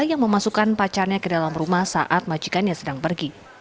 yang memasukkan pacarnya ke dalam rumah saat majikannya sedang pergi